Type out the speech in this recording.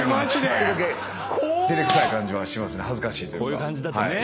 こういう感じだとね。